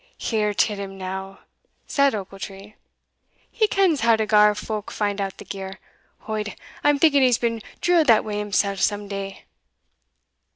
"Hear till him now!" said Ochiltree, "he kens how to gar folk find out the gear Od, I'm thinking he's been drilled that way himsell some day."